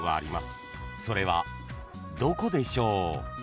［それはどこでしょう？］